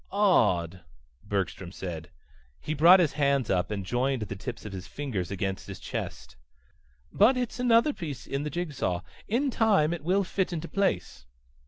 "Odd," Bergstrom said. He brought his hands up and joined the tips of his fingers against his chest. "But it's another piece in the jig saw. In time it will fit into place."